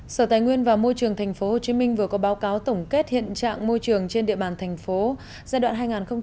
sở tài nguyên và môi trường tp hcm vừa có báo cáo tổng kết hiện trạng môi trường trên địa bàn thành phố giai đoạn hai nghìn một mươi sáu hai nghìn hai mươi